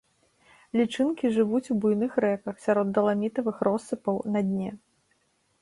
Лічынкі жывуць у буйных рэках, сярод даламітавых россыпаў на дне.